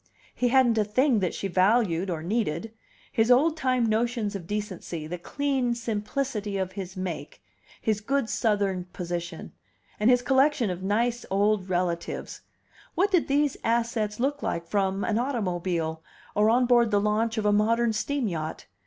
He hadn't a thing that she valued or needed. His old time notions of decency, the clean simplicity of his make, his good Southern position, and his collection of nice old relatives what did these assets look like from an automobile, or on board the launch of a modern steam yacht?